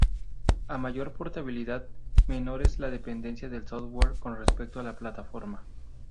A mayor portabilidad menor es la dependencia del software con respecto a la plataforma.